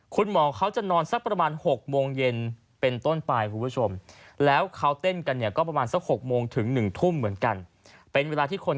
คุณหมอเขาจะนอนประมาณ๖โมงเย็นแรนเป็นต้นไป